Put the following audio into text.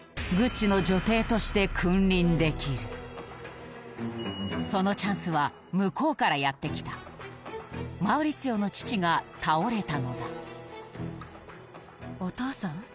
グッチの女帝として君臨できるそのチャンスは向こうからやってきたマウリツィオの父が倒れたのだお父さん！